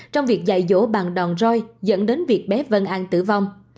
trong việc dạy dỗ bằng đòn roi dẫn đến việc bé vân an tử vong